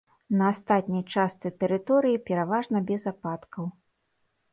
На астатняй частцы тэрыторыі пераважна без ападкаў.